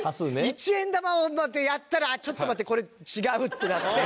一円玉でやったらちょっと待ってこれ違うってなって。